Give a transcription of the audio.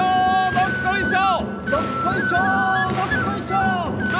どっこいしょ！